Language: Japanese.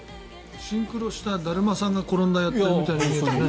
シンクロしただるまさんが転んだをやってるみたい。